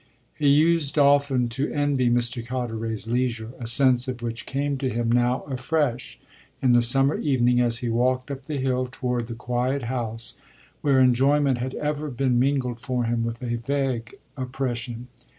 He used often to envy Mr. Carteret's leisure, a sense of which came to him now afresh, in the summer evening, as he walked up the hill toward the quiet house where enjoyment had ever been mingled for him with a vague oppression.